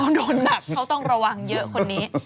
เขาโดนหนักเขาต้องระวังเยอะคนนี้